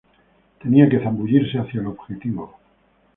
Tenía que zambullirse hacia el objetivo.